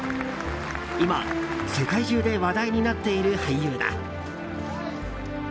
今、世界中で話題になっている俳優だ。